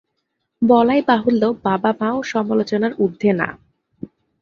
বলাই বাহুল্য, বাবা-মাও সমালোচনার উর্ধ্বে না।